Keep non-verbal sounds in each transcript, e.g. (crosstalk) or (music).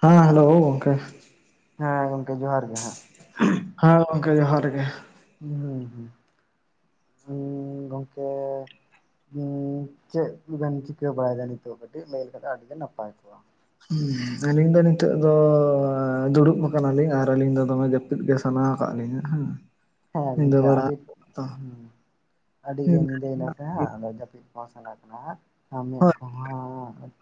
ᱦᱮᱸ ᱦᱮᱞᱳ ᱜᱚᱝᱠᱮ ᱾ ᱦᱮᱸ ᱜᱚᱝᱠᱮ ᱡᱚᱦᱟᱨ ᱜᱮ ᱦᱟᱸᱜ ᱾ ᱦᱮᱸ ᱜᱚᱝᱠᱮ ᱡᱚᱦᱟᱨ ᱜᱮ ᱾ ᱦᱮᱸ ᱦᱮᱸ ᱦᱩᱸ ᱜᱚᱝᱠᱮ ᱪᱮᱫ ᱠᱚᱵᱮᱱ ᱪᱤᱠᱟᱹ ᱵᱟᱲᱟᱭᱮᱫᱟ ᱱᱤᱛᱚᱜ ᱠᱟᱹᱴᱤᱡ ᱞᱟᱹᱭ ᱞᱮᱠᱷᱟᱱ ᱟᱹᱰᱤ ᱜᱮ ᱱᱟᱯᱟᱭ ᱠᱚᱜᱼᱟ ᱾ ᱦᱩᱸ ᱟᱹᱞᱤᱧ ᱫᱚ ᱱᱤᱛᱚᱜ ᱫᱚ ᱫᱩᱲᱩᱵ ᱟᱠᱟᱱᱟᱞᱤᱧ ᱟᱨ ᱟᱹᱞᱤᱧ ᱫᱚᱢᱮ ᱡᱟᱹᱯᱩ ᱤᱫ ᱜᱮ ᱥᱟᱱᱟ ᱟᱠᱟᱫ ᱞᱤᱧᱟ ᱦᱮᱸ ᱾ ᱦᱮᱸ ᱜᱚᱝᱠᱮ ᱟᱹᱰᱤ ᱦᱮᱸ ᱟᱹᱰᱤ ᱜᱮ ᱧᱤᱫᱟᱹ ᱭᱮᱱᱟ ᱥᱮ ᱦᱟᱸᱜ ᱟᱫᱚ ᱡᱟᱹᱯᱤᱫ ᱥᱟᱱᱟ ᱠᱟᱱᱟ ᱟᱨ ᱢᱮᱫ ᱦᱳᱭ ᱠᱚᱦᱚᱸ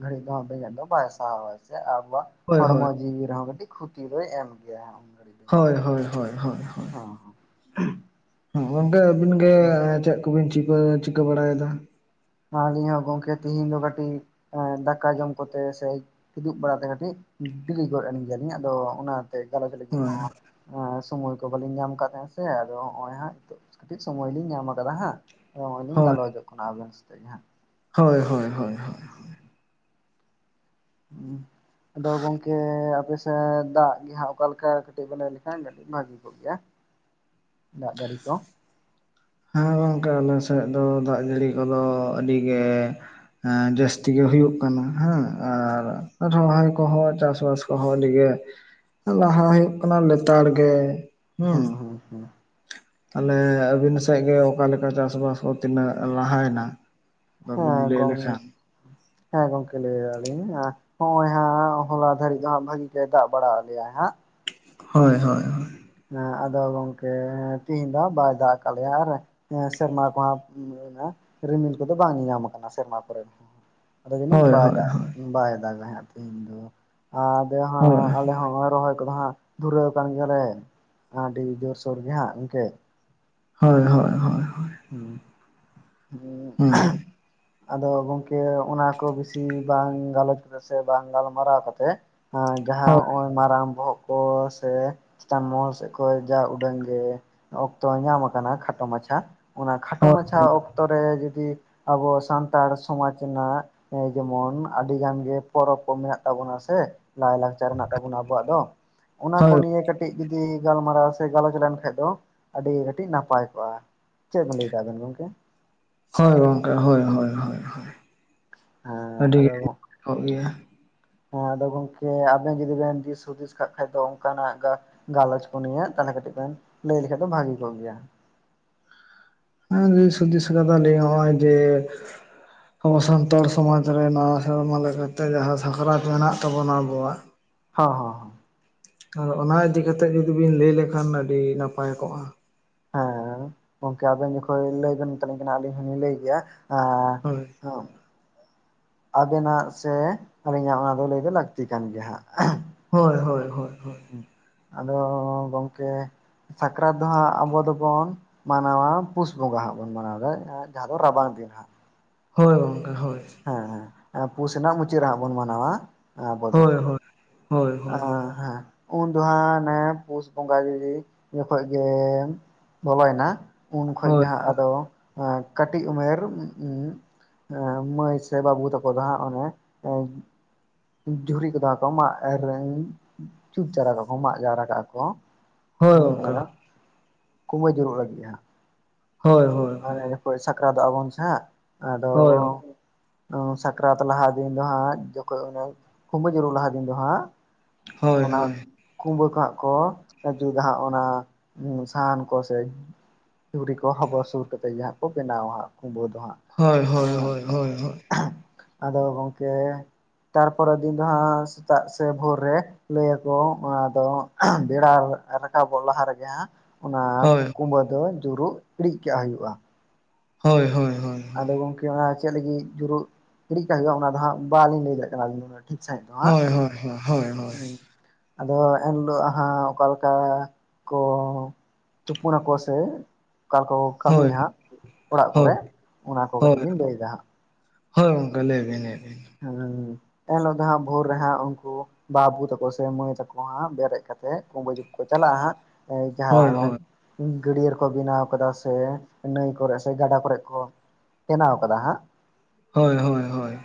ᱜᱷᱟᱹᱲᱤ ᱫᱚ ᱦᱟᱸᱜ ᱵᱟᱭ ᱥᱟᱦᱟᱣᱟᱭ ᱥᱮ ᱟᱵᱚᱣᱟᱜ ᱦᱳᱭ ᱦᱳᱭ ᱦᱚᱲᱢᱚ ᱡᱤᱣᱤ ᱨᱮᱦᱚᱸ ᱠᱟᱹᱴᱤᱡ ᱠᱷᱚᱛᱤ ᱫᱚᱭ ᱮᱢ ᱜᱮᱭᱟ (unintelligible) ᱦᱚᱭ ᱦᱚᱭ ᱦᱚᱭ ᱦᱚᱭ ᱾ (unintelligible) ᱜᱚᱝᱠᱮ ᱟᱹᱵᱤᱱ ᱜᱮ ᱦᱚᱸ ᱪᱮᱫ ᱠᱚᱵᱤᱱ ᱪᱤᱠᱟᱹ ᱪᱤᱠᱟᱹ ᱵᱟᱲᱟᱭᱮᱫᱟ? ᱟᱹᱞᱤᱧ ᱦᱚᱸ ᱜᱚᱝᱠᱮ ᱛᱤᱦᱤᱧ ᱫᱚ ᱠᱟᱹᱴᱤᱡ ᱫᱟᱠᱟ ᱡᱚᱢ ᱠᱚᱛᱮ ᱥᱮ ᱠᱤᱫᱩᱵ ᱵᱟᱲᱟ ᱛᱮ ᱠᱟᱹᱴᱤᱡ ᱵᱮᱨᱤ ᱜᱚᱫ ᱮᱱ ᱜᱮᱭᱟᱞᱤᱧ ᱟᱫᱚ ᱚᱱᱟᱛᱮ ᱜᱟᱞᱚᱪ ᱞᱟᱹᱜᱤᱫ ᱦᱳᱭ ᱦᱚᱸ ᱥᱚᱢᱚᱭ ᱠᱚ ᱵᱟᱞᱤᱧ ᱧᱟᱢ ᱟᱠᱟᱫ ᱛᱟᱦᱮᱸᱱᱟ ᱥᱮ ᱟᱫᱚ ᱱᱚᱜ-ᱚᱭ ᱦᱟᱸᱜ ᱠᱟᱹᱴᱤᱡ ᱥᱚᱢᱚᱭ ᱞᱤᱧ ᱧᱟᱢ ᱟᱠᱟᱫᱟ ᱦᱟᱸᱜ ᱾ ᱱᱚᱜ-ᱚᱭ ᱞᱤᱧ ᱦᱳᱭ ᱜᱟᱞᱚᱪᱚᱜ ᱠᱟᱱᱟ ᱟᱵᱮᱱ ᱥᱟ ᱦᱳᱭ ᱦᱳᱭ ᱾ (unintelligible) ᱩᱸᱦ ᱾ ᱟᱫᱚ ᱜᱚᱝᱠᱮ ᱟᱯᱮ ᱥᱮᱫ ᱫᱟᱜ ᱜᱮ ᱦᱟᱸᱜ ᱚᱠᱟᱞᱮᱠᱟ ᱠᱟᱹᱴᱤᱡ ᱵᱮᱱ ᱞᱟᱹᱭ ᱞᱮᱠᱷᱟᱱ ᱠᱟᱴᱤᱡ ᱵᱷᱟᱜᱤ ᱠᱚᱜ ᱜᱮᱭᱟ ᱫᱟᱜ ᱡᱟᱹᱲᱤ ᱠᱚ ᱾ ᱦᱮᱸ ᱜᱚᱝᱠᱮ ᱟᱞᱮ ᱥᱮᱫ ᱫᱚ ᱫᱟᱜ ᱡᱟᱹᱲᱤ ᱠᱚᱫᱚ ᱟᱹᱰᱤ ᱜᱮ ᱦᱮᱸ ᱡᱟᱹᱥᱛᱤ ᱜᱮ ᱦᱩᱭᱩᱜ ᱠᱟᱱᱟ ᱦᱮᱸ ᱟᱨ ᱨᱚᱦᱚᱭ ᱠᱚᱦᱚᱸ ᱪᱟᱥᱵᱟᱥ ᱠᱚᱦᱚ ᱟᱰᱤ ᱜᱮ ᱞᱟᱦᱟ ᱦᱩᱭᱩᱜ ᱠᱟᱱᱟ ᱞᱮᱛᱟᱲ ᱜᱮ ᱾ ᱦᱩᱸ ᱦᱩᱸ ᱦᱩᱸ ᱾ ᱛᱟᱦᱞᱮ ᱟᱹᱵᱤᱱ ᱥᱮᱫ ᱜᱮ ᱚᱠᱟ ᱞᱮᱠᱟ ᱪᱟᱥᱵᱟᱥ ᱠᱚ ᱛᱤᱱᱟᱹᱜ ᱞᱟᱦᱟᱭᱮᱱᱟ? ᱦᱮᱸ ᱵᱟᱵᱤᱱ ᱞᱟᱹᱭ ᱜᱚᱝ ᱞᱮᱠᱷᱟᱱ ᱦᱮᱸ ᱜᱚᱝᱠᱮ ᱞᱟᱹᱭᱮᱫ ᱟᱞᱤᱧ ᱦᱚᱜᱼᱚᱭ ᱦᱟᱸᱜ ᱦᱚᱞᱟ ᱫᱷᱟᱹᱨᱤᱡ ᱫᱚ ᱦᱟᱸᱜ ᱵᱷᱟᱜᱤ ᱜᱮ ᱫᱟᱜ ᱵᱟᱲᱟᱟᱣ ᱟᱫ ᱞᱮᱭᱟ ᱦᱟᱸᱜ ᱾ ᱦᱳᱭ ᱦᱳᱭ ᱦᱳ ᱾ ᱦᱮᱸ ᱟᱫᱚ ᱜᱚᱝᱠᱮ ᱛᱤᱦᱤᱧ ᱫᱚ ᱦᱟᱸᱜ ᱵᱟᱭ ᱫᱟᱜ ᱠᱟᱜ ᱞᱮᱭᱟ ᱟᱨ ᱥᱮᱨᱢᱟ ᱠᱚᱦᱟᱸᱜ (unintelligible) ᱨᱤᱢᱤᱞ ᱠᱚᱫᱚ ᱵᱟᱝ ᱧᱮᱧᱟᱢ ᱠᱟᱱᱟ ᱥᱮᱨᱢᱟ ᱠᱚᱨᱮ ᱦᱚᱸ ᱾ ᱟᱫᱚ ᱡᱟᱹᱱᱤᱡ ᱦᱳᱭ ᱵᱟᱭ ᱦᱳᱭ ᱫᱟᱜ ᱦᱳᱭ ᱵᱟᱭ ᱫᱟᱜᱟᱭ ᱦᱟᱜ ᱛᱮᱦᱤᱧ ᱫᱚ ᱟᱫᱚ ᱦᱟᱸᱜ ᱦᱳᱭ ᱾ ᱟᱞᱮ ᱦᱚᱸᱜᱼᱚᱭ ᱨᱚᱦᱚᱭ ᱠᱚᱫᱚ ᱦᱟᱸᱜ ᱫᱷᱩᱨᱟᱹᱣ ᱠᱟᱱ ᱜᱮᱭᱟᱞᱮ ᱾ ᱟᱰᱤ ᱡᱳᱨ ᱥᱳᱨ ᱜᱮ ᱦᱟᱸᱜ ᱜᱚᱢᱠᱮ ᱾ ᱦᱳᱭ ᱾ ᱦᱩᱸ (unintelligible) ᱟᱫᱚ ᱜᱚᱝᱠᱮ ᱚᱱᱟ ᱠᱚ ᱵᱤᱥᱤ ᱵᱟᱝ ᱜᱟᱞᱚᱪ ᱠᱟᱛᱮ ᱥᱮ ᱵᱟᱝ ᱜᱟᱞᱢᱟᱨᱟᱣ ᱠᱟᱛᱮ ᱦᱮᱸ ᱡᱟᱦᱟᱸ ᱦᱚᱜᱼᱚᱭ ᱢᱟᱨᱟᱝ ᱵᱚᱦᱚᱜ ᱠᱚ ᱥᱮ ᱪᱮᱛᱟᱱ ᱢᱚᱦᱚᱞ ᱥᱮᱫ ᱠᱷᱚᱱ ᱡᱟ ᱩᱰᱟᱹᱝ ᱜᱮ ᱚᱠᱛᱚ ᱧᱟᱢ ᱟᱠᱟᱱᱟ ᱠᱷᱟᱴᱚ ᱢᱟᱪᱷᱟ, ᱚᱱᱟ ᱠᱷᱟᱴᱚ ᱦᱳᱭ ᱢᱟᱪᱷᱟ ᱦᱳᱭ ᱚᱠᱛᱚ ᱨᱮ ᱡᱩᱫᱤ ᱟᱵᱚ ᱥᱟᱱᱛᱟᱲ ᱥᱚᱢᱟᱡᱽ ᱨᱮᱱᱟᱜ ᱮᱸ ᱡᱮᱢᱚᱱ ᱟᱹᱰᱤ ᱜᱟᱱ ᱜᱮ ᱯᱚᱨᱚᱵᱽ ᱠᱚ ᱢᱮᱱᱟᱜ ᱛᱟᱵᱚᱱᱟ ᱥᱮ? ᱞᱟᱭ ᱞᱟᱠᱪᱟᱨ ᱦᱮᱱᱟᱜ ᱛᱟᱵᱚᱱᱟ ᱟᱵᱚᱣᱟᱜ ᱫᱚ ᱾ ᱚᱱᱟ ᱠᱚ ᱦᱳᱭ ᱱᱤᱭᱮ ᱠᱟᱹᱴᱤᱡ ᱡᱩᱫᱤ ᱜᱟᱞᱢᱟᱨᱟᱣ ᱥᱮ ᱜᱟᱞᱚᱪ ᱞᱮᱱᱠᱷᱟᱱᱡ ᱫᱚ ᱟᱹᱰᱤ ᱜᱮ ᱠᱟᱹᱴᱤᱡ ᱱᱟᱯᱟᱭ ᱠᱚᱜᱼᱟ ᱾ ᱪᱮᱫ ᱵᱮᱱ ᱞᱟᱹᱭᱮᱫᱟ ᱟᱵᱮᱱ ᱜᱚᱝᱠᱮ? ᱦᱳᱭ ᱜᱚᱝᱠᱮ ᱦᱳᱭ ᱦᱳᱭ ᱦᱳᱭ ᱦᱳᱭ ᱾ ᱦᱮᱸ ᱟᱫᱚ ᱜᱚᱜ ᱠᱚᱜ ᱜᱮᱭᱟ ᱦᱮᱸ ᱟᱫᱚ ᱜᱚᱝᱠᱮ ᱟᱵᱮᱱ ᱡᱚᱫᱤ ᱵᱮᱱ ᱫᱤᱥ ᱦᱩᱫᱤᱥ ᱠᱟᱜ ᱠᱷᱟᱡ ᱫᱚ ᱚᱱᱠᱟᱱᱟᱜ ᱜᱟ ᱜᱟᱞᱚᱪ ᱠᱚ ᱱᱩᱭᱟ ᱛᱟᱦᱚᱞᱮ ᱠᱟᱹᱴᱤᱡ ᱵᱮᱱ ᱞᱟᱹᱭ ᱞᱮᱠᱷᱟᱡ ᱫᱚ ᱵᱷᱟᱹᱜᱤ ᱠᱚᱜ ᱜᱮᱭᱟ ᱾ ᱦᱮᱸ ᱫᱤᱥ ᱦᱩᱫᱤᱥ ᱠᱟᱫᱟ ᱞᱤᱧ ᱱᱚ-ᱚᱭ ᱡᱮ ᱟᱵᱚ ᱥᱟᱱᱛᱟᱲ ᱥᱚᱢᱟᱡᱽ ᱨᱮ ᱱᱟᱣᱟ ᱥᱮᱨᱢᱟ ᱞᱮᱠᱟᱛᱮ ᱡᱟᱦᱟᱸ ᱥᱟᱠᱨᱟᱛ ᱢᱮᱱᱟᱜ ᱛᱟᱵᱚᱱᱟ ᱟᱵᱚᱣᱟᱜ ᱦᱚᱸ ᱦᱚᱸ ᱾ ᱟᱫᱚ ᱚᱱᱟ ᱤᱫᱤ ᱠᱟᱛᱮ ᱡᱩᱫᱤ ᱵᱤᱱ ᱞᱟᱹᱭ ᱞᱮᱠᱷᱟᱱ ᱟᱹᱰᱤ ᱱᱟᱯᱟᱭ ᱠᱚᱜᱼᱟ ᱾ ᱦᱮᱸ ᱜᱚᱢᱠᱮ ᱟᱵᱮᱱ ᱡᱚᱠᱷᱚᱱ ᱞᱟᱹᱭ ᱵᱮᱱ ᱢᱮᱛᱟᱞᱤᱧ ᱠᱟᱱᱟ ᱟᱹᱞᱤᱧ ᱦᱚᱞᱤᱧ ᱞᱟᱹᱭ ᱜᱮᱭᱟ ᱦᱳᱭ ᱮᱸ (unintelligible) ᱟᱵᱮᱱᱟᱜ ᱥᱮ ᱟᱹᱞᱤᱧᱟᱜ ᱚᱱᱟ ᱫᱚ ᱞᱟᱹᱭ ᱫᱚ ᱞᱟᱹᱠᱛᱤ ᱠᱟᱱ ᱜᱮᱭᱟ ᱦᱟᱸᱜ (inaudible) ᱾ ᱦᱳᱭ ᱦᱳᱭ ᱦᱳᱭ ᱦᱳᱭ ᱾ ᱟᱫᱚ ᱜᱚᱝᱠᱮ ᱥᱟᱠᱨᱟᱛ ᱫᱚ ᱦᱟᱸᱜ ᱟᱵᱚ ᱫᱚᱵᱚᱱ ᱢᱟᱱᱟᱣᱟ ᱯᱩᱥ ᱵᱚᱸᱜᱟ ᱦᱟᱸᱜ ᱵᱚᱱ ᱢᱟᱱᱟᱣᱫᱟ ᱡᱟᱦᱟᱸ ᱫᱚ ᱨᱟᱵᱟᱝ ᱫᱤᱱ ᱦᱟᱸᱜ-ᱼ ᱦᱳᱭ ᱜᱚᱢᱠᱮ ᱦᱳᱭ᱾ ᱦᱮᱸ ᱦᱮᱸ ᱯᱩᱥ ᱨᱮᱱᱟᱜ ᱢᱩᱪᱟᱹᱫ ᱦᱟᱸᱜ ᱵᱚᱱ ᱢᱟᱱᱟᱣᱟ ᱟᱵᱚ ᱫᱚ᱾ ᱦᱳᱭ ᱦᱳᱭ ᱦᱳᱭ ᱦᱳᱭ᱾ ᱟᱸ ᱦᱮᱸ ᱩᱱ ᱫᱚ ᱦᱟᱸᱜ ᱚᱱᱮ ᱯᱩᱥ ᱵᱚᱸᱜᱟ ᱜᱤ ᱡᱚᱠᱷᱚᱡ ᱜᱮ ᱵᱚᱞᱚᱭᱮᱱᱟ ᱩᱱ ᱠᱷᱚᱡ ᱦᱳᱭ ᱜᱮ ᱦᱟᱸᱜ ᱟᱫᱚ ᱠᱟᱹᱴᱤᱡ ᱩᱢᱮᱨ ᱩᱸ ᱢᱟᱹᱭ ᱥᱮ ᱵᱟᱹᱵᱩ ᱛᱟᱠᱚ ᱫᱚ ᱦᱟᱜ ᱚᱱᱮ ᱡᱷᱩᱨᱤ ᱠᱚᱫᱚ ᱠᱚ ᱢᱟᱜ ᱮᱨᱮᱧ ᱪᱩᱛ ᱡᱟᱨᱟ ᱠᱚᱠᱚ ᱢᱟᱜ ᱡᱟᱣᱨᱟ ᱠᱟᱜᱼᱟ ᱠᱚ᱾ ᱦᱳᱭ ᱦᱮᱸ ᱜᱚᱝᱠᱮ ᱟᱫᱚ ᱠᱩᱢᱟᱹᱭ ᱡᱩᱨᱩᱜ ᱞᱟᱹᱜᱤᱫᱟ ᱦᱟᱸᱜ᱾ ᱦᱳᱭ ᱦᱳᱭ᱾ ᱦᱳᱭ ᱦᱳᱭ ᱥᱟᱠᱨᱟᱛᱚᱜ ᱟᱵᱚᱱ ᱥᱮ ᱦᱟᱸᱜ ᱟᱫᱚ ᱦᱳᱭ ᱦᱳ ᱥᱟᱠᱨᱟᱛ ᱞᱟᱦᱟ ᱫᱤᱱ ᱫᱚ ᱦᱟᱸᱜ ᱡᱚᱠᱷᱚᱡ ᱚᱱᱮ ᱠᱩᱢᱵᱟᱹ ᱧᱩᱨᱩᱜ ᱞᱟᱦᱟ ᱫᱤᱱ ᱫᱚ ᱦᱟᱸᱜ ᱦᱳᱭ ᱦᱳᱭ ᱚᱱᱟ, ᱠᱩᱢᱵᱟᱹ ᱠᱚ ᱦᱟᱸᱜ ᱠᱚ ᱡᱩᱫᱟ ᱦᱟᱸᱜ ᱚᱱᱟ ᱥᱟᱦᱟᱱ ᱠᱚᱥᱮ? ᱡᱷᱩᱨᱤ ᱠᱚ ᱦᱚᱵᱚᱨ ᱥᱩᱨ ᱠᱟᱛᱮᱜ ᱡᱟᱦᱟᱸ ᱠᱚ ᱵᱮᱱᱟᱣᱟ ᱦᱟᱸᱜ ᱠᱩᱢᱵᱟᱹ ᱫᱚ ᱦᱟᱸᱜ᱾ ᱦᱳᱭ ᱦᱳᱭ ᱦᱳᱭ ᱦᱳᱭ ᱦᱳᱭ᱾ ᱟᱫᱚ ᱜᱚᱝᱠᱮ ᱛᱟᱨᱯᱚᱨᱮᱨ ᱫᱤᱱ ᱫᱚ ᱦᱟᱸᱜ ᱥᱮᱛᱟᱜ ᱥᱮ ᱵᱷᱳᱨ ᱨᱮ ᱞᱟᱹᱭᱟ ᱠᱚ ᱚᱱᱟᱫᱚ ᱵᱮᱲᱟ ᱨᱟᱠᱟᱵᱚᱜ ᱞᱟᱦᱟ ᱨᱮᱜᱮ ᱦᱟᱸᱜ, ᱚᱱᱟ ᱦᱳᱭ ᱠᱩᱢᱵᱟᱹ ᱫᱚ ᱡᱩᱨᱩᱜ ᱤᱲᱤᱡ ᱠᱟᱜ ᱦᱩᱭᱩᱜᱼᱟ᱾ ᱦᱳᱭ ᱦᱳᱭ ᱦᱳᱭ᱾ ᱟᱫᱚ ᱜᱚᱝᱠᱮ ᱚᱱᱟ ᱪᱮᱫ ᱞᱟᱹᱜᱤᱫ ᱡᱩᱨᱩᱜ ᱤᱲᱤᱪ ᱠᱟᱜ ᱦᱩᱭᱩᱜᱼᱟ ᱚᱱᱟ ᱫᱚ ᱦᱟᱸᱜ ᱵᱟᱞᱤᱧ ᱞᱟᱹᱭ ᱫᱟᱲᱮᱭᱟᱜ ᱠᱟᱱᱟ ᱟᱞᱤᱧ ᱫᱚ, (inaudible) ᱦᱚᱭ ᱦᱚᱭ᱾ ᱟᱫᱚ ᱮᱱᱦᱤᱞᱳᱜ ᱦᱟᱸᱜ ᱚᱠᱟ ᱞᱮᱠᱟ ᱠᱚ ᱛᱩᱯᱩ ᱱᱟᱠᱚᱥᱮ ᱠᱟᱨ ᱠᱚ ᱦᱳᱭ ᱠᱟᱹᱢᱤᱭᱟ ᱦᱟᱸᱜ, ᱚᱲᱟᱜ ᱠᱚᱨᱮ ᱦᱳᱭ ᱦᱳᱭ ᱚᱱᱟ ᱠᱚ ᱠᱟᱹᱴᱤᱡ ᱞᱤᱧ ᱞᱟᱹᱭᱮᱫᱟ ᱦᱟᱸᱜ᱾ ᱦᱳᱭ ᱜᱚᱢᱠᱮ ᱞᱟᱹᱭ ᱵᱤᱱ ᱞᱟᱹᱭ ᱵᱤᱱ? ᱦᱮᱸ ᱮᱱᱦᱤᱞᱚᱜ ᱫᱚ ᱦᱟᱸᱜ ᱵᱷᱳᱨ ᱨᱮ ᱦᱟᱸᱜ ᱩᱱᱠᱩ ᱵᱟᱹᱵᱩ ᱛᱟᱠᱚ ᱥᱮ ᱢᱟᱹᱭ ᱛᱟᱠᱚ ᱦᱟᱸᱜ ᱵᱮᱨᱮᱫ ᱠᱟᱛᱮᱜ ᱠᱩᱵᱟᱹ ᱡᱩᱛ ᱠᱚ ᱪᱟᱞᱟᱜᱼᱟ ᱦᱟᱸᱜ, ᱦᱳᱭ ᱦᱳᱭ (inaudible) ᱜᱟᱹᱰᱭᱟᱹ ᱨᱮᱠᱚ ᱵᱮᱱᱟᱣ ᱠᱟᱫᱟ ᱥᱮ ᱱᱟᱹᱭ ᱠᱚᱨᱮᱜ ᱥᱮ ᱜᱟᱰᱟ ᱠᱚᱨᱮᱜ ᱠᱚ, ᱵᱮᱱᱟᱣ ᱠᱟᱫᱟ ᱦᱟᱸᱜ᱾ ᱦᱳᱭ ᱦᱳᱭ᱾ ᱦᱳᱭ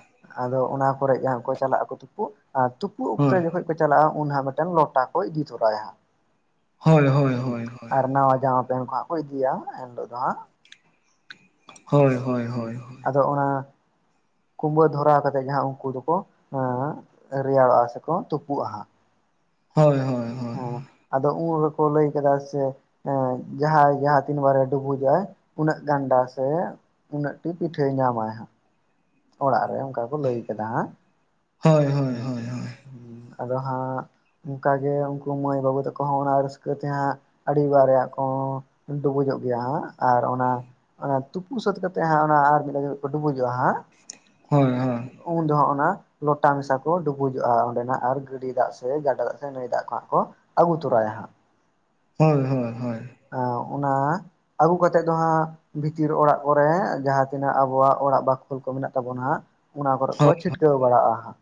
ᱟᱫᱚ ᱚᱱᱟ ᱠᱚᱨᱮᱜ ᱜᱮ ᱦᱟᱸᱜ ᱠᱚ ᱪᱟᱞᱟᱜ ᱟᱠᱚ ᱛᱩᱯᱩᱜ᱾ ᱟᱨ ᱛᱩᱯᱩᱜ ᱚᱠᱛᱮ ᱦᱳᱭ ᱡᱚᱠᱷᱚᱡ ᱪᱟᱞᱟᱜᱼᱟ, ᱩᱱ ᱦᱟᱸᱜ ᱢᱤᱫᱴᱮᱱ ᱞᱚᱴᱟ ᱠᱚ ᱤᱫᱤ ᱛᱚᱨᱟᱭᱟ ᱦᱟᱸᱜ᱾ ᱦᱳᱭ ᱦᱳᱭ ᱦᱳᱭ ᱦᱮᱸ, ᱦᱳᱭ ᱦᱳᱭ ᱟᱨ ᱱᱟᱣᱟ ᱡᱟᱢᱟ ᱯᱮᱱᱴ ᱠᱚ ᱦᱟᱸᱜ ᱠᱚ ᱤᱫᱤᱭᱟ, ᱮᱱ ᱦᱤᱞᱳᱜ ᱫᱚ ᱦᱟᱸᱜ᱾ ᱦᱳᱭ ᱦᱳᱭ ᱦᱳᱭ ᱦᱳᱭ᱾ ᱟᱫᱚ ᱚᱱᱟ ᱠᱩᱢᱵᱟᱹ ᱫᱷᱚᱨᱟᱣ ᱠᱟᱛᱮᱫ ᱜᱮ ᱦᱟᱸᱜ ᱩᱱᱠᱩ ᱫᱚᱠᱚ, ᱮᱸᱻ ᱨᱮᱭᱟᱲᱚᱜᱼᱟ᱾ ᱥᱮᱠᱚ ᱛᱩᱯᱩᱜᱼᱟ ᱦᱟᱸᱜ᱾ ᱦᱳᱭ ᱦᱳᱭ᱾ ᱦᱳᱭ ᱦᱮᱸ, ᱟᱫᱚ ᱩᱱ ᱨᱮᱠᱚ ᱞᱟᱹᱭ ᱠᱮᱫᱟ ᱥᱮ ᱮ ᱡᱟᱦᱟᱸᱭ ᱡᱟᱦᱟᱸ ᱛᱤᱱ ᱵᱟᱨᱮ ᱰᱩᱵᱩ ᱡᱚᱜᱼᱟᱭ, ᱩᱱᱟᱹᱜ ᱜᱟᱱᱰᱟ ᱥᱮ ᱩᱱᱟᱹᱜ ᱴᱤ ᱯᱤᱴᱷᱟᱹᱭ ᱧᱟᱢᱟᱭ ᱦᱟᱸᱜ᱾ ᱚᱲᱟᱜ ᱨᱮ ᱚᱱᱠᱟ ᱠᱚ ᱞᱟᱹᱭ ᱠᱟᱫᱟ ᱦᱟᱸᱜ᱾ ᱦᱳᱭ ᱦᱳᱭ ᱦᱳᱭ ᱦᱳᱭ ᱦᱳᱭ ᱟᱫᱚ ᱦᱟᱸᱜ ᱚᱝᱠᱟᱜᱮ ᱩᱝᱠᱩ ᱢᱟᱹᱭ ᱵᱟᱹᱵᱩ ᱛᱟᱠᱚ ᱦᱚᱸ ᱚᱱᱟ ᱨᱟᱹᱥᱠᱟᱹ ᱛᱮ ᱦᱟᱸᱜ ᱟᱹᱰᱤ ᱵᱟᱜ ᱨᱮᱭᱟᱜ ᱠᱚ ᱰᱩᱵᱩᱡᱚᱜ ᱜᱮᱭᱟ ᱦᱟᱸᱜ, ᱟᱨ ᱚᱱᱟ ᱚᱱᱟ ᱛᱩᱯᱩ ᱥᱟᱹᱛ ᱠᱟᱛᱮᱫ ᱦᱟᱸᱜ ᱚᱱᱟ ᱟᱨ ᱢᱤᱫ ᱫᱷᱟᱣ ᱡᱚᱠᱷᱚᱡ ᱠᱚ ᱰᱩᱵᱩᱡᱚᱜ-ᱟ ᱦᱟᱸᱜ, ᱦᱮᱸ ᱩᱱ ᱫᱚ ᱦᱟᱸᱜ ᱚᱱᱟ ᱞᱚᱴᱟ ᱢᱮᱥᱟ ᱠᱚ ᱰᱩᱵᱩᱡᱚᱜ-ᱟ, ᱚᱸᱰᱮ ᱱᱟᱜ ᱟᱨ ᱜᱟᱹᱰᱭᱟᱹ ᱫᱟᱜ ᱥᱮ ᱜᱟᱰᱟ ᱫᱟᱜ ᱥᱮ ᱱᱟᱹᱭ ᱫᱟᱜ ᱠᱚᱦᱟᱜ ᱠᱚ ᱟᱹᱜᱩ ᱛᱚᱨᱟᱭᱟ ᱦᱟᱸᱜ, ᱦᱳᱭ ᱦᱳ ᱚ ᱦᱳᱭ ᱟᱸ ᱚᱱᱟ ᱟᱹᱜᱩ ᱠᱟᱛᱮᱫ ᱫᱚ ᱦᱟᱸᱜ, ᱵᱷᱤᱛᱤᱨ ᱚᱲᱟᱜ ᱠᱚᱨᱮ, ᱡᱟᱦᱟᱸ ᱛᱤᱱᱟᱹᱜ ᱟᱵᱚᱣᱟᱜ ᱚᱲᱟᱜ ᱵᱟᱠᱷᱳᱞ ᱠᱚ ᱢᱮᱱᱟᱜ ᱛᱟᱵᱚᱱ ᱦᱟᱸᱜ ᱚᱱᱟ ᱠᱚᱨᱮᱜ ᱠᱚ ᱪᱷᱤᱴᱠᱟᱹᱣ ᱵᱟᱲᱟᱣ-ᱟ ᱦᱟᱸᱜ,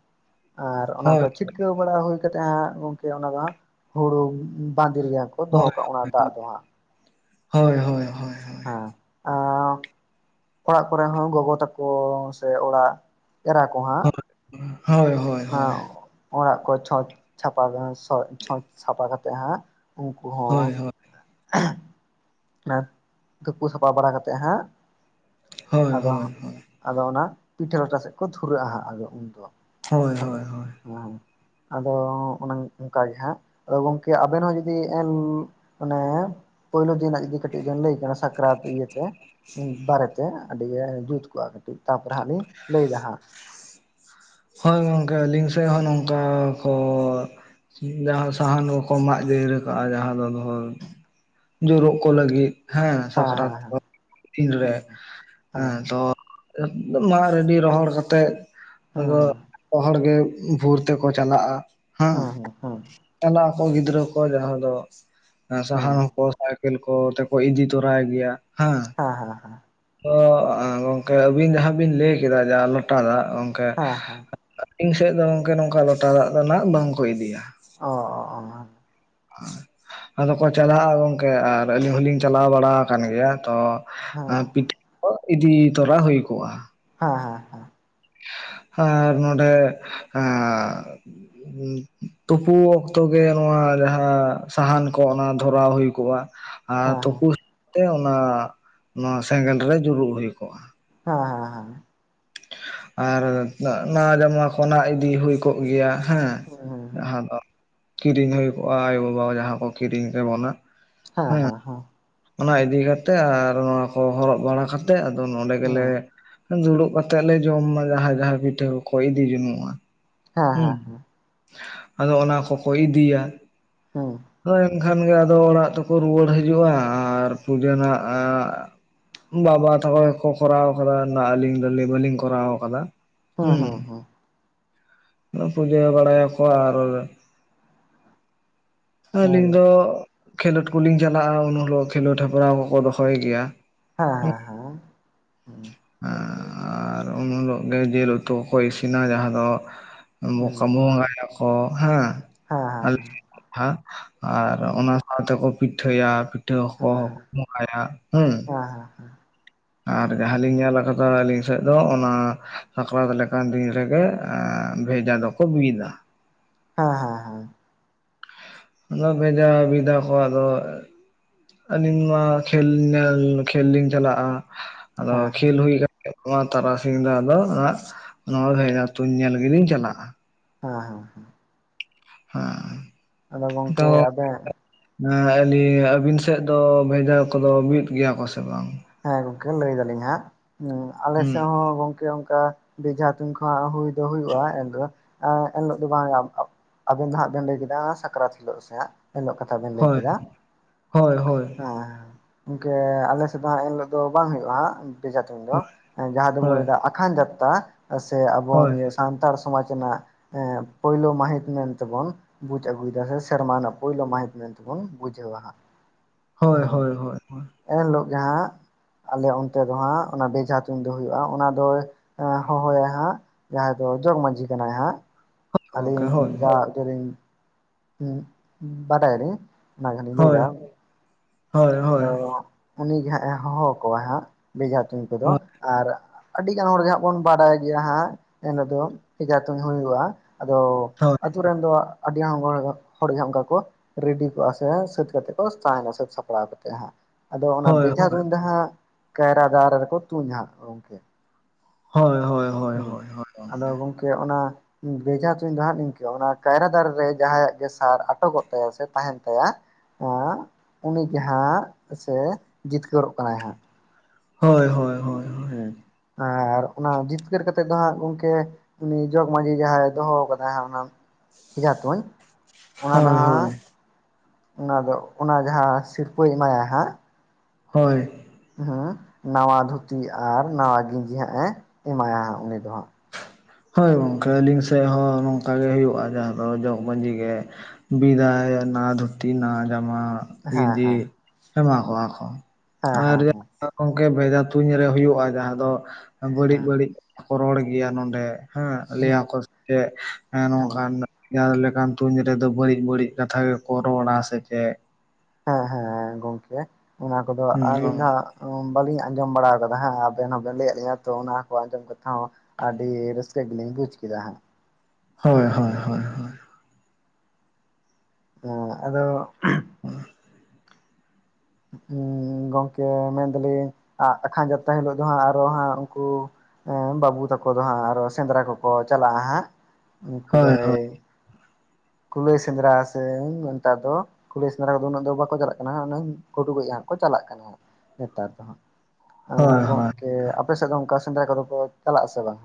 ᱟᱨ ᱚᱱᱟ ᱠᱚ ᱪᱷᱤᱴ ᱠᱟᱹᱣ ᱵᱟᱲᱟ ᱦᱩᱭ ᱠᱟᱛᱮᱜ ᱦᱟᱸᱜ ᱜᱚᱝᱠᱮ ᱚᱱᱟ ᱫᱚ ᱦᱟᱸᱜ ᱦᱩᱲᱩ ᱵᱟᱸᱫᱤ ᱨᱮᱜᱮ ᱠᱚ ᱫᱚᱦᱚ ᱦᱳᱭ ᱠᱟᱜᱼᱟ ᱚᱱᱟ ᱫᱟᱜ ᱫᱚ ᱦᱟᱸᱜ ᱦᱳᱭ ᱦᱳᱭ ᱦᱳᱭ ᱦ ᱦᱮᱸ ᱚᱸᱻ ᱚᱲᱟᱜ ᱠᱚᱨᱮ ᱦᱚᱸ ᱜᱚᱜᱚ ᱛᱟᱠᱚ, ᱥᱮ ᱚᱲᱟᱜ ᱮᱨᱟ ᱠᱚ ᱦᱟᱸᱜ ᱦᱳᱭ ᱦᱳᱭ ᱦᱳᱭ ᱦᱳᱭ ᱦᱮᱸ ᱚᱲᱟᱜ ᱠᱚ ᱪᱷᱚᱸᱪ ᱪᱷᱟᱯᱟ ᱥᱚᱡ ᱪᱷᱚᱸᱪ ᱥᱟᱯᱟ ᱠᱟᱛᱮᱜ ᱦᱟᱸᱜ ᱩᱝᱠᱩ ᱦᱚᱸ ᱦᱳᱭ ᱦᱳᱭ ᱛᱩᱯᱩ ᱥᱟᱯᱟ ᱵᱟᱲᱟ ᱠᱟᱛᱮᱜ ᱦᱟᱸᱜ ᱦᱳᱭ ᱦᱳᱭ ᱟᱫᱚ ᱦᱳᱭ ᱦᱟᱸᱜ ᱟᱫᱚ ᱚᱱᱟ ᱯᱤᱴᱷᱟᱹ ᱞᱟᱴᱷᱟ ᱥᱮᱫ ᱠᱚ ᱫᱷᱩᱨᱟᱹᱜ-ᱟ ᱦᱟᱸᱜ ᱟᱫᱚ ᱩᱱᱫᱚ᱾ ᱦᱳᱭ ᱦᱳᱭ ᱦᱳᱭ ᱦᱮᱸ ᱦᱮᱸ ᱟᱫᱚ ᱚᱱᱮᱝ ᱚᱝᱠᱟ ᱜᱮ ᱦᱟᱸᱜ, ᱟᱫᱚ ᱜᱚᱝᱠᱮ ᱟᱵᱮᱱ ᱦᱚᱸ ᱡᱩᱫᱤ ᱢᱟᱱᱮᱻ ᱯᱳᱭᱞᱳ ᱫᱤᱱ ᱨᱮᱱᱟᱜ ᱡᱩᱫᱤ ᱠᱟᱹᱴᱤᱜ ᱵᱮᱱ ᱞᱟᱹᱭ ᱠᱟ ᱱᱟᱥ ᱥᱟᱠᱨᱟᱛ ᱤᱭᱟᱹᱛᱮ, ᱵᱟᱨᱮᱛᱮ ᱟᱹᱰᱤ ᱜᱮ ᱡᱩᱛ ᱠᱚᱜ-ᱟ ᱠᱟᱹᱴᱤᱜ ᱛᱟᱯᱚᱨᱮ ᱦᱟᱸᱜ ᱞᱤᱧ ᱞᱟᱹᱭᱫᱟ ᱦᱟᱸᱜ (inaudible) ᱦᱳᱭ ᱜᱚᱝᱠᱮ, ᱟᱹᱞᱤᱝ ᱥᱮᱜ ᱦᱚᱸ ᱱᱚᱝᱠᱟ ᱠᱚᱻ ᱡᱟᱦᱟᱸ ᱥᱟᱦᱟᱱ ᱠᱚᱠᱚ ᱢᱟᱜ ᱤᱫᱤ ᱦᱤᱨᱟᱹ ᱠᱟᱜ-ᱟ ᱡᱟᱦᱟᱸ ᱫᱚ ᱫᱚᱦᱚ ᱡᱳᱨᱳᱜ ᱠᱚ ᱞᱟᱹᱜᱤᱫ ᱦᱮᱸ ᱥᱟᱠᱨᱟᱛ ᱠᱚ ᱦᱮᱸ ᱛᱤᱱ ᱨᱮ ᱦᱮᱸ ᱛᱚ ᱫᱚ ᱢᱟᱜ ᱨᱮᱰᱤ ᱨᱚᱦᱚᱲ ᱠᱟᱛᱮᱜ ᱦᱮᱸ ᱟᱫᱚ ᱛᱚ ᱦᱚᱲ ᱜᱮ ᱵᱷᱳᱨ ᱛᱮᱠᱚ ᱪᱟᱞᱟᱜ-ᱟ, ᱦᱮᱸ ᱪᱟᱞᱟᱜ ᱟᱠᱚ ᱜᱤᱫᱽᱨᱟᱹ ᱠᱚ ᱡᱟᱦᱟᱸ ᱨᱮᱫᱚ ᱦᱮᱸ ᱦᱮᱸ ᱦᱮᱸ ᱥᱟᱦᱟᱱ ᱦᱚᱸ ᱠᱚ ᱠᱮᱞ ᱠᱚ ᱛᱮᱠᱚ ᱤᱫᱤ ᱛᱚᱨᱟᱭ ᱜᱮᱭᱟ, ᱦᱟᱸ ᱦᱟᱸ ᱦᱟᱸ ᱦᱟᱸ᱾ ᱛᱚ ᱜᱚᱝᱠᱮ ᱟᱹᱵᱤᱱ ᱡᱟᱦᱟᱸ ᱵᱤᱱ ᱞᱟᱹᱭ ᱠᱮᱫᱟ ᱡᱟᱦᱟᱸ ᱞᱚᱴᱟ ᱫᱟᱜ ᱜᱚᱝᱠᱮ ᱦᱮᱸ ᱦᱮᱸ ᱟᱹᱞᱤᱧ ᱥᱮᱫ ᱫᱚ ᱜᱚᱝᱠᱮ ᱱᱚᱝᱠᱟ ᱞᱚᱴᱟ ᱫᱟᱜ ᱫᱚ ᱱᱟᱜ ᱵᱟᱝᱠᱚ ᱤᱫᱤᱭᱟ᱾ ᱚᱻ ᱚ ᱚ ᱚ ᱦᱚᱸ ᱟᱫᱚ ᱠᱚ ᱪᱟᱞᱟᱜ-ᱟ ᱜᱚᱝᱠᱮ ᱟᱨ ᱟᱹᱞᱤᱧ ᱦᱚᱞᱤᱧ ᱪᱟᱞᱟᱣ ᱵᱟᱲᱟᱣ ᱟᱠᱟᱱ ᱜᱮᱭᱟ ᱛᱚ ᱟᱨ ᱯᱤᱴᱷᱟᱹ ᱠᱚ ᱤᱫᱤ ᱛᱚᱨᱟ ᱦᱩᱭ ᱠᱚᱜ-ᱟ᱾ ᱦᱮᱸ ᱦᱮᱸ ᱟᱨ ᱱᱚᱰᱮ ᱮᱸᱻ ᱛᱩᱯᱩ ᱚᱠᱛᱚ ᱜᱮ ᱱᱚᱣᱟ ᱡᱟᱦᱟᱸ ᱥᱟᱦᱟᱱ ᱠᱚ ᱚᱱᱟ ᱫᱷᱚᱨᱟᱣ ᱦᱩᱭ ᱠᱚᱜ-ᱟ, ᱟᱨ ᱛᱩᱯᱩ ᱛᱮ ᱚᱱᱟ ᱚᱱᱟ ᱥᱮᱸᱜᱮᱞ ᱨᱮ ᱡᱩᱨᱩᱜ ᱦᱩᱭ ᱠᱚᱜ-ᱟ᱾ ᱦᱮᱸ ᱦᱮᱸ ᱦᱮᱸ᱾ ᱟᱨ ᱱᱟᱣᱟ ᱡᱟᱢᱟ ᱠᱚ ᱱᱦᱟᱜ ᱤᱫᱤ ᱦᱩᱭ ᱠᱚᱜ ᱜᱮᱭᱟ᱾ ᱦᱮᱸ ᱡᱟᱦᱟᱸ ᱫᱚ ᱠᱤᱨᱤᱧ ᱦᱩᱭᱩᱜᱚᱼᱟ ᱟᱭᱳ ᱵᱟᱵᱟ ᱡᱟᱦᱟᱸ ᱠᱚ ᱠᱤᱨᱤᱧ ᱠᱮᱵᱚᱱᱟ᱾ ᱦᱮᱸ ᱦᱮᱸ ᱦᱮᱸ᱾ ᱚᱱᱟ ᱤᱫᱤ ᱠᱟᱛᱮᱜ ᱟᱨ ᱱᱚᱣᱟ ᱠᱚ ᱦᱚᱨᱚᱜ ᱵᱟᱲᱟ ᱠᱟᱛᱮᱜ ᱟᱫᱚ ᱱᱚᱸᱰᱮ ᱜᱮᱞᱮ ᱫᱩᱲᱩᱵ ᱠᱟᱛᱮᱜ ᱞᱮ ᱡᱚᱢᱟ ᱡᱟᱦᱟᱸᱭ ᱡᱟᱦᱟᱸᱭ ᱯᱤᱴᱷᱟᱹ ᱠᱚᱠᱚ ᱤᱫᱤ ᱡᱩᱱᱩᱜᱼᱟ᱾ ᱦᱩᱸ ᱟᱫᱚ ᱚᱱᱟ ᱠᱚᱠᱚ ᱤᱫᱤᱭᱟ᱾ ᱦᱮᱸ, ᱦᱳᱭ ᱮᱱᱠᱷᱟᱱ ᱜᱮ ᱟᱫᱚ ᱚᱲᱟᱜ ᱛᱮᱠᱚ ᱨᱩᱣᱟᱹᱲ ᱦᱤᱡᱩᱜᱼᱟ ᱟᱨ ᱯᱩᱡᱟᱹ ᱱᱟᱜ-ᱟ ᱵᱟᱵᱟ ᱛᱟᱠᱚ ᱜᱮᱠᱚ ᱠᱚᱨᱟᱣ ᱠᱟᱫᱟ ᱱᱟᱜ ᱟᱹᱞᱤᱧ ᱫᱚᱞᱤᱧ ᱵᱟᱞᱤᱧ ᱠᱚᱨᱟᱣ ᱠᱟᱫᱟ᱾ ᱦᱮᱸ ᱦᱮᱸ ᱦᱮᱸ᱾ ᱟ ᱯᱩᱡᱟᱹ ᱵᱟᱲᱟᱭᱟᱠᱚ ᱟᱨ ᱟᱹᱞᱤᱧ ᱫᱚ ᱠᱷᱮᱞᱳᱰ ᱠᱚᱞᱤᱧ ᱪᱟᱞᱟᱜᱼᱟ ᱩᱱ ᱦᱤᱞᱚᱜ ᱠᱷᱮᱞᱳᱰ ᱦᱮᱯᱨᱟᱣ ᱦᱚᱸᱠᱚ ᱫᱚᱦᱚᱭ ᱜᱮᱭᱟ᱾ ᱦᱮᱸ ᱦᱮᱸ ᱦᱮᱸ᱾ ᱟᱨᱻ ᱩᱱ ᱦᱤᱞᱳᱜ ᱜᱮ ᱡᱤᱞ ᱩᱛᱩ ᱦᱚᱸᱠᱚ ᱤᱥᱤᱱᱟ ᱡᱟᱦᱟᱸ ᱫᱚ (unintelligible) ᱵᱚᱸᱜᱟᱭᱟᱠᱚ ᱦᱮᱸ ᱟᱞᱮ (inaudible) ᱟᱨ ᱚᱱᱟ ᱟᱫᱚ ᱠᱚ ᱯᱤᱴᱷᱟᱹᱭᱟ ᱯᱤᱴᱷᱟᱹ ᱠᱚᱸᱦᱚ ᱠᱚ ᱵᱚᱸᱜᱟᱭᱟ ᱦᱩᱸ᱾ ᱟᱨ ᱡᱟᱦᱟᱸᱞᱤᱧ ᱧᱮᱞ ᱠᱟᱫᱟ ᱟᱹᱞᱤᱧ ᱥᱮᱫ ᱫᱚ ᱚᱱᱟ ᱥᱟᱠᱨᱟᱛ ᱞᱮᱠᱟᱱ ᱫᱤᱱ ᱨᱮᱜᱮ ᱮᱸ ᱵᱷᱮᱡᱟ ᱫᱚᱠᱚ ᱵᱤᱫᱟ᱾ ᱦᱮᱸ ᱦᱮᱸ᱾ ᱚᱱᱟ ᱵᱷᱮᱡᱟ ᱵᱤᱫᱟ ᱠᱚ ᱟᱫᱚ ᱟᱹᱞᱤᱧ ᱢᱟ ᱠᱷᱮᱞ ᱧᱮᱞ ᱠᱷᱮᱞ ᱞᱤᱧ ᱪᱟᱞᱟᱜᱼᱟ ᱟᱫᱚ ᱠᱷᱮᱞ ᱦᱩᱭ ᱠᱟ ᱛᱮᱜ ᱱᱚᱣᱟ ᱛᱟᱨᱟᱥᱤᱧ ᱫᱚ ᱟᱫᱚ ᱦᱟᱸᱜ ᱱᱚᱣᱟ ᱵᱷᱮᱡᱟ ᱛᱩᱧ ᱧᱮᱞ ᱜᱮᱞᱤᱧ ᱪᱟᱞᱟᱜᱼᱟ᱾ ᱦᱮᱸ ᱦᱮᱸ ᱦᱮᱸ, ᱦᱮᱸ, ᱟᱫᱚ ᱜᱚᱝᱠᱮ ᱟᱵᱮᱧ ᱮᱸ ᱟᱹᱞᱤᱧ ᱟᱹᱵᱤᱱ ᱥᱮᱜ ᱫᱚ ᱵᱷᱮᱡᱟ ᱠᱚᱫᱚ ᱵᱤᱫ ᱜᱮᱭᱟ ᱠᱚ ᱥᱮ ᱵᱟᱝ? ᱦᱮᱸ ᱜᱚᱝᱠᱮ ᱞᱟᱹᱭ ᱫᱟᱞᱤᱧ ᱦᱟᱸᱜ ᱟᱞᱮ ᱦᱩᱸ ᱥᱮᱜ ᱦᱚᱸ ᱜᱚᱝᱠᱮ ᱚᱝᱠᱟ ᱵᱮᱡᱷᱟ ᱛᱩᱧ ᱠᱚ ᱦᱟᱸᱜ ᱦᱩᱭ ᱫᱚ ᱦᱩᱭᱩᱜᱼᱟ ᱮᱱ ᱫᱚ ᱮᱸ ᱮᱱ ᱦᱤᱞᱳᱜ ᱫᱚ ᱵᱟᱝ ᱦᱩᱭᱩᱜᱼᱟ ᱟᱵᱮᱱ ᱫᱚ ᱦᱟᱸᱜ ᱵᱮᱱ ᱞᱟᱹᱭ ᱠᱮᱫᱟ ᱥᱟᱠᱨᱟᱛ ᱦᱤᱞᱳᱜ ᱥᱮ ᱦᱟᱸᱜ ᱮᱱᱦᱤᱞᱳᱜ ᱠᱟᱛᱷᱟ ᱵᱮᱱ ᱞᱟᱹᱭ ᱦᱳᱭ ᱠᱮᱫᱟ᱾ ᱦᱳᱭ ᱦᱳᱭ ᱦᱮᱸ ᱜᱚᱝᱠᱮ ᱟᱞᱮ ᱥᱮᱜ ᱫᱚ ᱮᱱ ᱦᱤᱞᱳᱜ ᱫᱚ ᱵᱟᱝ ᱦᱩᱭᱩᱜᱼᱟ ᱵᱮᱡᱷᱟ ᱛᱩᱧ ᱫᱚ ᱡᱟᱦᱟᱸ ᱫᱚᱵᱚᱱ ᱦᱳᱭ ᱞᱟᱹᱭᱫᱟ ᱟᱠᱷᱟᱱ ᱡᱟᱛᱛᱟ᱾ ᱥᱮ ᱟᱵᱚ ᱦᱳᱭ ᱱᱤᱭᱟᱹ ᱥᱟᱱᱛᱟᱲ ᱥᱚᱢᱟᱡᱽ ᱨᱮᱱᱟᱜ ᱯᱳᱭᱞᱳ ᱢᱟᱹᱦᱤᱛ ᱢᱮᱱᱛᱮ ᱵᱚᱱ ᱵᱩᱡᱽ ᱟᱹᱜᱩᱭᱫᱟ ᱥᱮ ᱥᱮᱨᱢᱟ ᱨᱮᱱᱟᱜ ᱯᱳᱭᱞᱳ ᱢᱟᱹᱦᱤᱛ ᱢᱮᱱᱛᱮ ᱵᱚᱱ ᱵᱩᱡᱷᱟᱹᱣᱟ ᱦᱟᱸᱜ᱾ (inaudible) ᱦᱮᱸ ᱦᱳᱭ ᱦᱳᱭ ᱦᱳᱭ ᱮᱱ ᱦᱤᱞᱳᱜ ᱜᱮ ᱦᱟᱸᱜ ᱟᱞᱮ ᱚᱱᱛᱮ ᱫᱚ ᱦᱟᱸᱜ ᱚᱱᱟ ᱵᱮᱡᱷᱟ ᱛᱩᱧ ᱫᱚ ᱦᱩᱭᱩᱜᱼᱟ ᱚᱱᱟ ᱫᱚᱭ ᱮᱸ ᱦᱚᱦᱚᱭᱟ ᱦᱟᱸᱜ ᱡᱟᱦᱟᱸᱭ ᱫᱚ ᱡᱚᱜᱽ ᱢᱟᱺᱡᱷᱤ ᱠᱟᱱᱟᱭ ᱦᱟᱸᱜ ᱜᱚᱝᱠᱮ ᱟᱹᱞᱤᱧ ᱦᱳᱭ ᱡᱟᱜᱛᱮᱞᱤᱧ ᱩᱸ ᱵᱟᱰᱟᱭᱟᱞᱤᱧ ᱚᱱᱟ ᱜᱮ ᱦᱟᱸᱜ ᱞᱤᱧ ᱞᱟᱹᱭ ᱦᱳᱭ ᱫᱟ᱾ ᱦᱳᱭ ᱦᱳᱭ ᱦᱳᱭ ᱟᱫᱚ ᱩᱱᱤᱜᱮ ᱦᱟᱸᱜ ᱮ ᱦᱚᱦᱚ ᱠᱚᱣᱟ ᱦᱟᱸᱜ ᱵᱮᱡᱷᱟ ᱛᱩᱧ ᱠᱚᱫᱚ ᱟᱨ ᱟᱹᱰᱤ ᱜᱟᱱ ᱦᱚᱲ ᱜᱮ ᱦᱟᱸᱜ ᱵᱚᱱ ᱵᱟᱰᱟᱭ ᱜᱮᱭᱟ ᱦᱟᱸᱜ ᱮᱱᱚ ᱫᱚ ᱵᱮᱡᱷᱟ ᱛᱩᱧ ᱦᱩᱭᱩᱜᱼᱟ᱾ ᱟᱫᱚ ᱦᱳᱭ ᱟᱹᱛᱩᱨᱮᱱ ᱫᱚ ᱟᱹᱰᱤ (unintelligible) ᱦᱚᱲ ᱦᱚᱲ ᱜᱮ ᱚᱝᱠᱟ ᱠᱚ ᱨᱮᱰᱤ ᱠᱚᱜᱼᱟ ᱥᱮ ᱥᱟᱹᱛ ᱠᱟᱛᱮᱜ ᱠᱚ ᱛᱟᱦᱮᱸᱱᱟ ᱥᱟᱹᱛ ᱥᱟᱯᱲᱟᱣ ᱠᱟ ᱛᱮᱜ ᱦᱟᱸᱜ ᱟᱫᱚ ᱚᱱᱟ ᱦᱳᱭ ᱵᱮᱡᱷᱟ ᱦᱳᱭ ᱛᱩᱧ ᱫᱚ ᱦᱟᱸᱜ ᱠᱟᱭᱨᱟ ᱫᱟᱨᱮ ᱨᱮᱠᱚ ᱛᱩᱧᱟ ᱦᱟᱸᱜ ᱜᱚᱝᱠᱮ᱾ ᱦᱚᱭ ᱦᱩᱸ ᱟᱫᱚ ᱜᱚᱝᱠᱮ ᱚᱱᱟ ᱦᱩᱸ ᱵᱮᱡᱦᱟ ᱛᱩᱧ ᱫᱚ ᱦᱟᱸᱜ ᱱᱤᱝᱠᱟᱹ ᱚᱱᱟ ᱠᱟᱭᱨᱟ ᱫᱟᱨᱮ ᱨᱮ ᱡᱟᱸᱦᱟᱭᱟᱜ ᱜᱮ ᱥᱟᱨ ᱟᱴᱚᱜᱚᱜ ᱛᱟᱭᱟ ᱥᱮ ᱛᱟᱦᱮᱸᱱ ᱛᱟᱭᱟ, ᱟᱸᱜ ᱩᱱᱤ ᱜᱮ ᱦᱟᱸᱜ ᱥᱮ ᱡᱤᱛᱠᱟᱹᱨᱚᱜ ᱠᱟᱱᱟᱭ ᱦᱟᱸᱜ ᱾ ᱦᱳᱭ ᱦᱚᱭ ᱦᱚ- ᱦᱩᱸ ᱟᱨ ᱚᱱᱟ ᱡᱤᱛᱠᱟᱹᱨ ᱠᱟᱛᱮᱫ ᱫᱚ ᱦᱟᱸᱜ ᱜᱚᱝᱠᱮ ᱩᱱᱤ ᱡᱚᱜᱽ ᱢᱟᱹᱡᱷᱤ ᱡᱟᱸᱦᱟᱭ ᱫᱚᱦᱚ ᱟᱠᱟᱫᱟᱭ ᱦᱟᱸᱜ ᱚᱱᱟ ᱵᱮᱡᱷᱟ ᱛᱩᱧ ᱚᱱᱟ ᱫᱚ ᱦᱳᱭ ᱦᱟᱸᱜ ᱦᱳᱭ ᱚᱱᱟ ᱫᱚ ᱚᱱᱟ ᱡᱟᱸᱦᱟ ᱥᱤᱨᱯᱟᱹᱭ ᱮᱢᱟᱭᱟ ᱦᱟᱸᱜ ᱦᱳᱭ, ᱦᱮᱸ ᱱᱟᱣᱟ ᱫᱷᱩᱛᱤ ᱟᱨ ᱱᱟᱣᱟ ᱜᱮᱸᱡᱤ ᱦᱟᱸᱜ ᱮ ᱮᱢᱟᱭᱟ ᱦᱟᱸᱜ ᱩᱱᱤ ᱫᱚ ᱦᱟᱸᱜ ᱾ ᱦᱳᱭ ᱜᱚᱝᱠᱮ ᱟᱹᱞᱤᱝ ᱥᱮᱜ ᱦᱚᱸ ᱱᱚᱝᱠᱟ ᱜᱮ ᱦᱩᱭᱩᱜ-ᱟ ᱡᱟᱸᱦᱟ ᱫᱚ ᱡᱚᱜᱽ ᱢᱟᱺᱡᱷᱤ ᱜᱮ᱾ ᱵᱤᱫᱟᱭ ᱟᱱᱟ ᱫᱷᱩᱛᱤ ᱱᱟ ᱡᱟᱢᱟᱸ ᱦᱟᱸᱜ ᱦᱮᱸ ᱤᱸᱫᱤ ᱦᱮᱸ ᱮᱢᱟ ᱦᱟᱠᱚᱣᱟ ᱠᱚ ᱟᱨ ᱦᱮᱸ ᱭᱟᱜ ᱦᱮᱸ ᱟᱨ ᱜᱚᱝᱠᱮ ᱵᱷᱮᱡᱟ ᱛᱩᱧ ᱨᱮ ᱦᱩᱭᱩᱜ-ᱟ ᱡᱟᱸᱦᱟ ᱫᱚ ᱮᱸ ᱵᱟᱹᱲᱤᱡ ᱵᱟᱹᱲᱤᱡ ᱠᱚ ᱨᱚᱲ ᱜᱮᱭᱟ ᱱᱚᱸᱰᱮ ᱦᱮᱸᱜ ᱞᱟᱹᱭ ᱦᱮᱸ ᱟᱠᱚ ᱡᱮᱜ ᱮᱸ ᱦᱮᱸ ᱱᱚᱝᱠᱟᱱ ᱡᱟᱸᱦᱟ ᱫᱚ ᱞᱮᱠᱟᱱ ᱛᱩᱧ ᱨᱮᱫᱚ ᱵᱟᱹᱲᱤᱡ ᱵᱟᱹᱲᱤᱡ ᱠᱟᱛᱷᱟ ᱜᱮᱠᱚ ᱨᱚᱲᱼᱟ ᱥᱮ ᱪᱮᱫ? ᱦᱮᱸ ᱦᱮᱸ ᱦᱮᱸ, ᱜᱚᱝᱠᱮ ᱚᱱᱟ ᱠᱚᱫᱚ ᱦᱩᱸ ᱟᱹᱞᱤᱧ ᱫᱚ ᱦᱟᱸᱜ ᱚᱸᱻᱢ ᱵᱟᱹᱞᱤᱧ ᱟᱸᱡᱚᱢ ᱵᱟᱲᱟ ᱟᱠᱟᱫᱟ ᱦᱮᱸ, ᱟᱵᱮᱱ ᱦᱚᱸ ᱵᱮᱱ ᱞᱟᱹᱭ ᱟᱫ ᱞᱤᱧᱟ ᱛᱚ ᱚᱱᱟ ᱠᱚ ᱟᱸᱡᱚᱢ ᱠᱟᱛᱷᱟ ᱦᱚᱸ ᱟᱹᱰᱤ ᱨᱟᱹᱥᱠᱟᱹ ᱜᱮᱞᱤᱧ ᱵᱩᱡᱽ ᱠᱮᱫᱟ ᱦᱟᱸᱜ ᱾ ᱦᱳᱭ ᱦᱳᱭ ᱦᱳᱭ ᱦᱚᱭ᱾ ᱦᱩᱸ ᱟᱫᱚᱜ (inaudible) ᱦᱩᱸ ᱜᱚᱝᱠᱮ ᱢᱮᱱ ᱫᱟ ᱞᱤᱧ ᱟ ᱟᱠᱷᱟᱱ ᱡᱟᱛᱨᱟ ᱦᱤᱞᱳᱜ ᱫᱚ ᱦᱟᱸᱜ ᱟᱨᱦᱚᱸ ᱦᱟᱸᱜ ᱩᱸᱠᱩ ᱮᱸ ᱵᱟᱹᱵᱩ ᱛᱟᱠᱚ ᱫᱚ ᱦᱟᱸᱜ ᱟᱨᱦᱚᱸ ᱥᱮᱸᱫᱽᱨᱟ ᱠᱚᱠᱚ ᱪᱟᱞᱟᱜ-ᱟ ᱦᱟᱸᱜ ᱩᱸᱠᱩ ᱫᱚ ᱦᱳᱭ ᱦᱳᱭ ᱮᱭ ᱠᱩᱞᱟᱹᱭ ᱥᱮᱸᱫᱽᱨᱟ ᱥᱮ ᱢᱮᱱ ᱴᱟ ᱫᱚ ᱠᱩᱞᱟ. ᱭ ᱥᱮᱸᱫᱽᱨᱟ ᱠᱚᱫᱚ ᱩᱱᱟᱹᱜ ᱫᱚ ᱵᱟᱠᱚ ᱪᱟᱞᱟᱜ ᱠᱟᱱᱟ ᱦᱩᱱᱟᱹᱝ, ᱜᱩᱰᱩ ᱜᱚᱡᱽ ᱦᱟᱸᱜ ᱠᱚ ᱪᱟᱞᱟᱜ ᱠᱟᱱᱟ ᱦᱟᱸᱜ ᱱᱮᱛᱟᱨ ᱫᱚ ᱦᱟᱸᱜ ᱾ ᱟᱸ ᱦᱳᱭ ᱦᱳᱭ ᱜᱚᱝᱠᱮ ᱟᱯᱮ ᱥᱮᱫ ᱫᱚ ᱚᱸᱠᱟ ᱥᱮᱸᱫᱽᱨᱟ ᱠᱚᱫᱚ ᱠᱚ ᱪᱟᱞᱟᱜ-ᱟ ᱥᱮ ᱵᱟᱝ?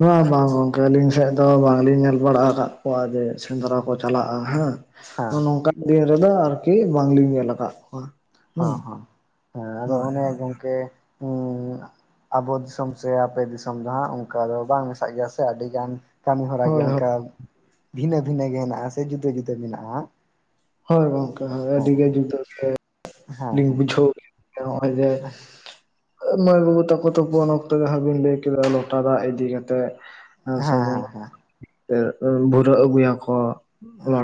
ᱵᱟᱝᱼᱟᱸ ᱵᱟᱝ ᱜᱚᱝᱠᱮ ᱟᱹᱞᱤᱧ ᱥᱮᱫ ᱫᱚ ᱵᱟᱝ ᱞᱤᱧ ᱧᱮᱞ ᱵᱟᱲᱟ ᱦᱟᱠᱟᱜ ᱠᱚᱣᱟ ᱡᱮ ᱥᱮᱸᱫᱽᱨᱟ ᱠᱚ ᱪᱟᱞᱟᱜ-ᱟ ᱦᱮᱸ? ᱦᱮᱸ ᱛᱚ ᱱᱚᱝᱠᱟᱱ ᱰᱤᱭᱟᱹ ᱨᱮᱫᱚ ᱟᱨᱠᱤ ᱵᱟᱝ ᱞᱤᱧ ᱧᱮᱞ ᱟᱠᱟᱜ ᱠᱚᱣᱟ ᱾ ᱚᱦᱚᱸ, ᱦᱮᱸ ᱟᱫᱚ ᱚᱱᱮ ᱜᱚᱝᱠᱮ ᱩᱸ (inaudible) ᱟᱵᱚ ᱫᱤᱥᱚᱢ ᱥᱮ ᱟᱯᱮ ᱫᱤᱥᱚᱢ ᱫᱚ ᱦᱟᱸᱜ ᱚᱸᱠᱟ ᱫᱚ ᱵᱟᱝ ᱢᱮᱥᱟᱜ ᱜᱮᱭᱟ ᱥᱮ ᱟᱹᱰᱤ ᱜᱟᱱ ᱠᱟᱹᱢᱤ ᱦᱚᱨᱟ ᱜᱮ ᱦᱳᱭ ᱚᱸᱠᱟᱵ ᱵᱷᱤᱱᱟᱹ ᱵᱷᱤᱱᱟᱹ ᱜᱮ ᱦᱮᱸᱱᱟᱜ-ᱟ ᱥᱮ ᱡᱩᱫᱟᱹ ᱡᱩᱫᱟᱹ ᱢᱮᱱᱟᱜ-ᱟ, ᱦᱳᱭ ᱜᱚᱝᱠᱮ ᱦᱳᱭ ᱟᱹᱰᱤ ᱜᱮ ᱡᱩᱫᱟᱹ ᱥᱮ ᱦᱮᱸ ᱞᱤᱧ ᱦᱮᱸ ᱵᱩᱡᱷᱟᱹᱣ ᱠᱮᱜ ᱦᱮᱸ ᱱᱚᱜ-ᱚᱭ ᱡᱮ (unintelligible) ᱢᱟᱹᱭ ᱵᱟᱹᱵᱩ ᱛᱟᱠᱚ ᱛᱚᱠᱚ ᱱᱚᱛᱮ ᱫᱚ ᱦᱟᱸᱜ ᱵᱤᱱ ᱞᱟᱹᱭ ᱠᱮᱫᱟ ᱞᱚᱴᱟ ᱫᱟᱜ ᱤᱫᱤ ᱠᱟᱛᱮᱜ ᱮᱸ ᱦᱮᱸ ᱥᱟᱹᱜᱩᱱ ᱦᱮᱸ ᱞᱳ (unintelligible) ᱛᱮ ᱵᱷᱩᱨᱟᱹᱜ ᱟᱹᱜᱩᱭᱟᱠᱳ, ᱞᱳ